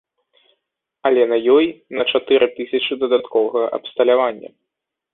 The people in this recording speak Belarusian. Але на ёй на чатыры тысячы дадатковага абсталявання.